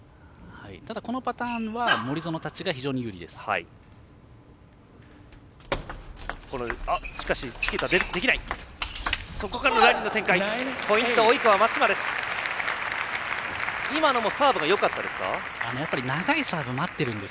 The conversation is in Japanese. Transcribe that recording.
ただ、このパターンは森薗たちが非常に有利です。